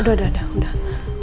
udah udah udah